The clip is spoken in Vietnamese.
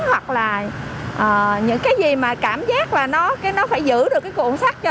hoặc là những cái gì mà cảm giác là nó phải giữ được cái cuộn sắt cho